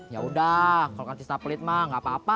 ya udah kalau kan tista pelit mah gak apa apa